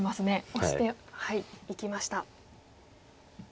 オシていきました。